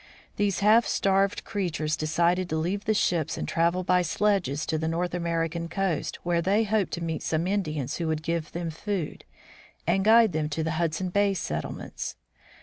These half starved creatures decided to leave the ships and travel by sledges to the North Ameri can coast, where they hoped to meet some Indians who would give them food and guide them to the Hudson Bay settlements.